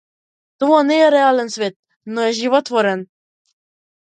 Тоа не е реален систем, но е животворен.